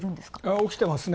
起きてますね。